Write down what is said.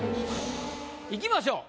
いきましょう。